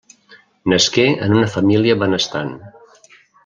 Nasqué en una família benestant.